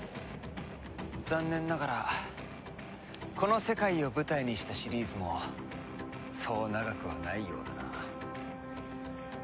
残念ながらこの世界を舞台にしたシリーズもそう長くはないようだな。